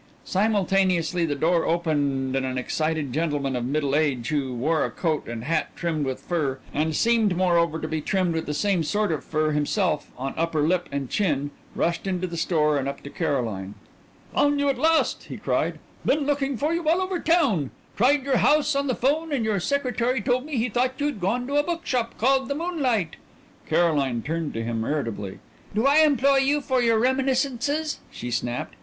Simultaneously the door opened and an excited gentleman of middle age who wore a coat and hat trimmed with fur, and seemed, moreover, to be trimmed with the same sort of fur himself on upper lip and chin, rushed into the store and up to Caroline. "Found you at last," he cried. "Been looking for you all over town. Tried your house on the 'phone and your secretary told me he thought you'd gone to a bookshop called the Moonlight " Caroline turned to him irritably. "Do I employ you for your reminiscences?" she snapped.